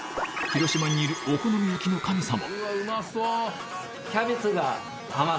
広島にいるお好み焼きの神様